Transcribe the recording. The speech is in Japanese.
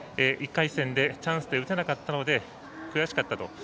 １回戦でチャンスで打てなかったので悔しかったと。